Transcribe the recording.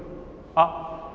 あっ！